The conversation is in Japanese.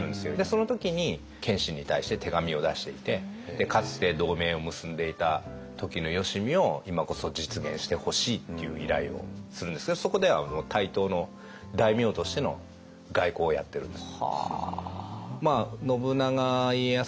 その時に謙信に対して手紙を出していてかつて同盟を結んでいた時のよしみを今こそ実現してほしいっていう依頼をするんですけどそこではもう対等の大名としての外交をやってるんです。